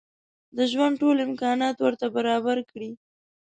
د ژوند ټول امکانات ورته برابر کړي.